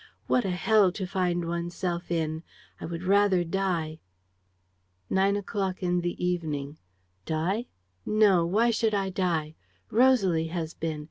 What a hell to find one's self in! I would rather die. ... "Nine o'clock in the evening. "Die? No! Why should I die? Rosalie has been.